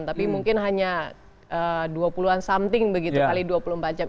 tapi mungkin hanya dua puluh an something begitu x dua puluh empat jam